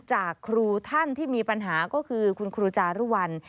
จากครูท่านที่มีปัญหาก็คือคุณครูจารุวัล